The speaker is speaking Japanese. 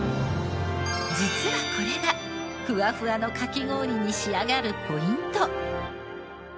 実はこれがふわふわのかき氷に仕上がるポイント！